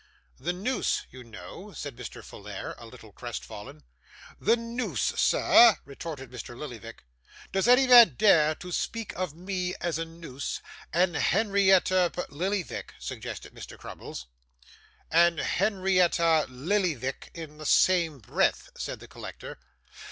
'The noose, you know,' said Mr. Folair, a little crest fallen. 'The noose, sir?' retorted Mr. Lillyvick. 'Does any man dare to speak to me of a noose, and Henrietta Pe ' 'Lillyvick,' suggested Mr. Crummles. ' And Henrietta Lillyvick in the same breath?' said the collector.